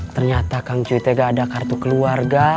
ternyata kang cuytai nggak ada kartu keluarga